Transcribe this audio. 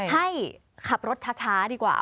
ให้ขับรถช้าดีกว่า